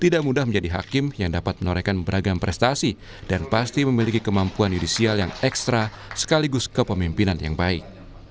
tidak mudah menjadi hakim yang dapat menorehkan beragam prestasi dan pasti memiliki kemampuan yudisial yang ekstra sekaligus kepemimpinan yang baik